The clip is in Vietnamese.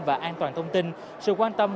và an toàn thông tin sự quan tâm